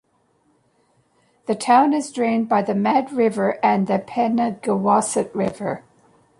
The town is drained by the Mad River and Pemigewasset River.